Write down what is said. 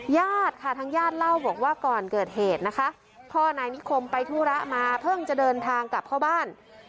ญาติค่ะทางญาติเล่าบอกว่าก่อนเกิดเหตุนะคะพ่อนายนิคมไปธุระมาเพิ่งจะเดินทางกลับเข้าบ้าน